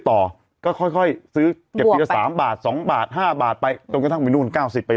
แต่เอาแต่เขาต้องเอาอ่ะพี่